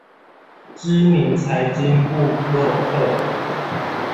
知名財經部落客